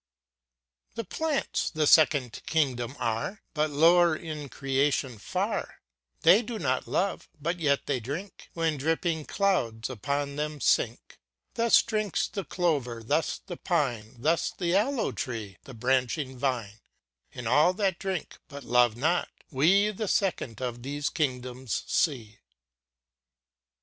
The plants the second kingdom are, But lower in creation far ; They do not love, but yet they drink, When dripping clouds upon them sink ; Thus drinks the clover, thus the pine, The aloe tree, the branching vine : In all that drink, but love not, we The second of these kingdoms see.